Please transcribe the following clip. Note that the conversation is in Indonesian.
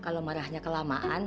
ma kalau marahnya kelamaan